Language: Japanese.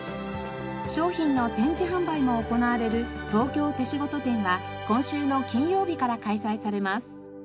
商品の展示販売も行われる東京手仕事展は今週の金曜日から開催されます。